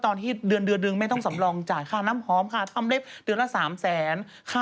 ตอนที่เดือนหนึ่งไม่ต้องสำรองจ่ายค่าน้ำหอมค่ะทำเล็บเดือนละ๓แสน